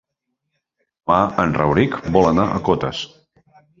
Demà en Rauric vol anar a Cotes.